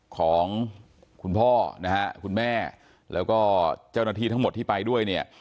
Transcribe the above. ของคุณพ่อนะฮะคุณแม่แล้วก็เจ้าหน้าที่ทั้งหมดที่ไปด้วยเนี่ย